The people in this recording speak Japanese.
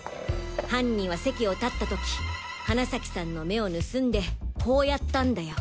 犯人は席を立った時花崎さんの目を盗んでこうやったんだよ！